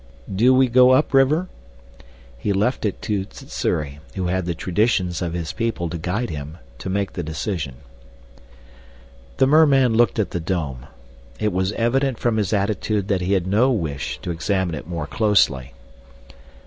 "Do we go upriver?" He left it to Sssuri, who had the traditions of his people to guide him, to make the decision. The merman looked at the dome; it was evident from his attitude that he had no wish to examine it more closely.